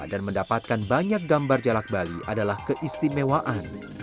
dan mendapatkan banyak gambar jalak bali adalah keistimewaan